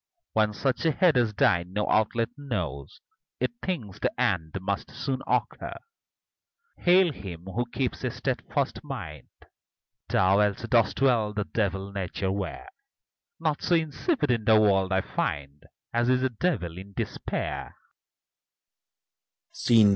When such a head as thine no outlet knows, It thinks the end must soon occur. Hail him, who keeps a steadfast mind! Thou, else, dost well the devil nature wear: Naught so insipid in the world I find As is a devil in despair.